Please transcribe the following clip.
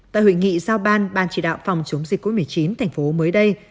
tại hội nghị giao ban ban chỉ đạo phòng chống dịch covid một mươi chín thành phố mới đây